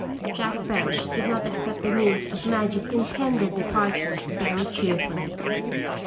Jack French did not accept the news of Madge's intended departure very cheerfully.